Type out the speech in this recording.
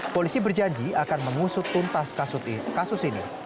polisi berjanji akan mengusut tuntas kasus ini